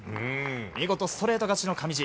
見事ストレート勝ちの上地。